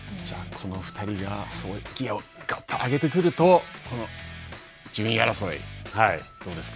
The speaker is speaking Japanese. この２人が、ギアをガッと上げてくると、順位争い、どうですか。